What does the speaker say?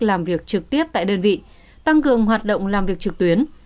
làm việc trực tiếp tại đơn vị tăng cường hoạt động làm việc trực tuyến